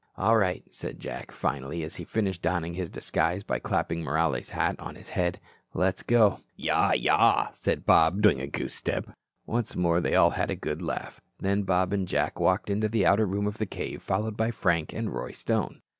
"All right," said Jack, finally, as he finished donning his disguise by clapping Morales' hat on his head. "Let's go." "Ya, ya," said Bob, doing a goosestep. Once more they all had a good laugh. Then Bob and Jack walked into the outer room of the cave, followed by Frank and Roy Stone.